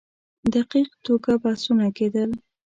دقیق توګه بحثونه کېدل.